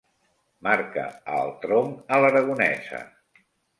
Marca al tronc a l'aragonesa.